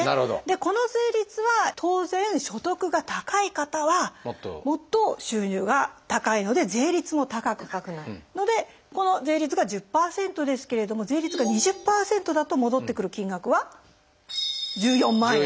この税率は当然所得が高い方はもっと収入が高いので税率も高くなるのでこの税率が１０％ですけれども税率が２０％だと戻ってくる金額は１４万円。